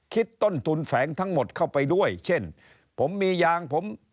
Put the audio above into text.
คิดต้นทุนแฝงทั้งหมดเข้าไปด้วยเช่นผมมียางผม